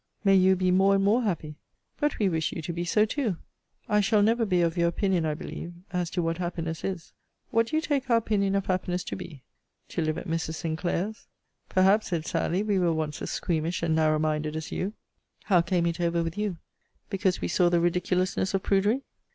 May you be more and more happy! But we wish you to be so too. I shall never be of your opinion, I believe, as to what happiness is. What do you take our opinion of happiness to be? To live at Mrs. Sinclair's. Perhaps, said Sally, we were once as squeamish and narrow minded as you. How came it over with you? Because we saw the ridiculousness of prudery.